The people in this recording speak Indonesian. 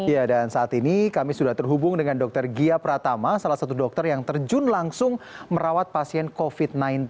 ya dan saat ini kami sudah terhubung dengan dr gia pratama salah satu dokter yang terjun langsung merawat pasien covid sembilan belas